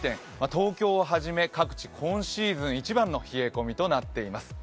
東京をはじめ各地今シーズン一番の冷え込みとなっています。